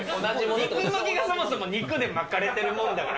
肉巻きがそもそも肉で巻かれてるものだから。